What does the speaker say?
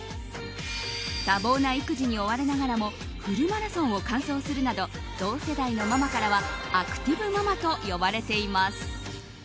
多忙な育児に追われながらもフルマラソンを完走するなど同世代のママからはアクティブママと呼ばれています。